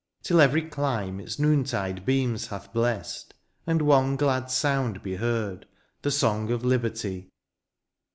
Till every clime its noontide beams hath blessed. And one glad sound be heard — the song of liberty